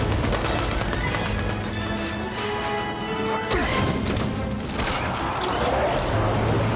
うっ！